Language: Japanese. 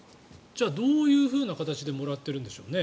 じゃあ、どういう形でもらっているんでしょうね。